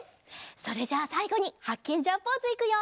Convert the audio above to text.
それじゃあさいごにハッケンジャーポーズいくよ！